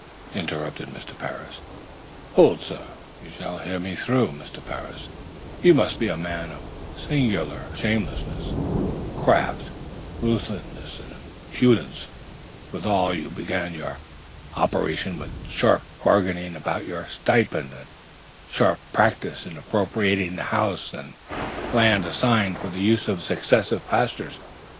"Charles " interrupted Mr. Parris. "Hold, sir; you shall hear me through. Mr. Parris, you must be a man of singular shamelessness, craft, ruthlessness and impudence, withal. You began your operations with sharp bargaining about your stipend and sharp practice in appropriating the house and land assigned for the use of successive pastors.